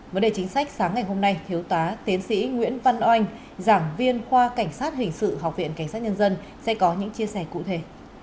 với đề chính sách sáng ngày hôm nay thiếu tá tiến sĩ nguyễn văn oanh giảng viên khoa cảnh sát hình sự học viện cảnh sát nhân dân sẽ có những chia sẻ cụ thể